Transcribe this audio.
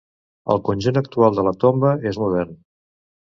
El conjunt actual de la tomba és modern.